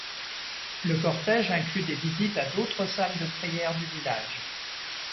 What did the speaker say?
Le cortège inclut des visites à d'autres salles de prière du village.